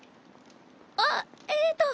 あっえっと